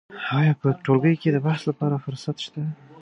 آیا په ټولګي کې د بحث لپاره فرصت شته؟